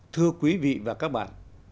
thưa quý vị và các bạn